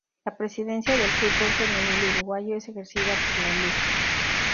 La Presidencia del Fútbol femenil uruguayo es ejercida por la Lic.